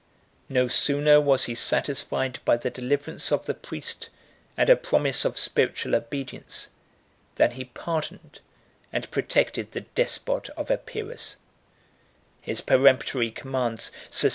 No sooner was he satisfied by the deliverance of the priests and a promise of spiritual obedience, than he pardoned and protected the despot of Epirus.